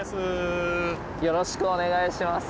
よろしくお願いします。